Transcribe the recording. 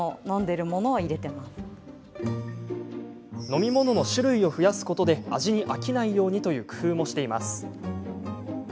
飲み物の種類を増やすことで味に飽きないようにという工夫もしています。